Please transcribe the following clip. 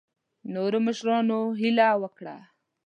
نورو مشرانو هیله وکړه.